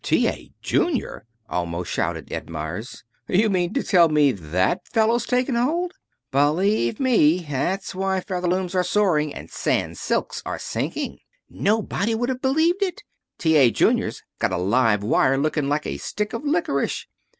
"T. A. Junior!" almost shouted Ed Meyers. "You don't mean to tell me that fellow's taken hold " "Believe me. That's why Featherlooms are soaring and Sans silks are sinking. Nobody would have believed it. T. A. Junior's got a live wire looking like a stick of licorice.